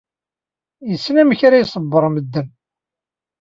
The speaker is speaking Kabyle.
Yessen amek ara iṣebber medden.